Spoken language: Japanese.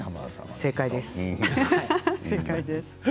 正解です。